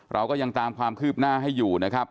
เราก็ยังตามความคืบหน้าให้อยู่นะครับ